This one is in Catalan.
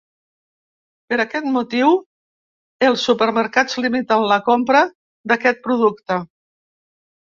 Per aquest motiu els supermercats limiten la compra d’aquest producte.